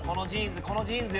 このジーンズ